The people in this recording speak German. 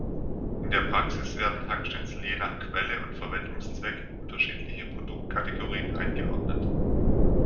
In der Praxis werden Hackschnitzel je nach Quelle und Verwendungszweck in unterschiedliche Produkt-Kategorien eingeordnet.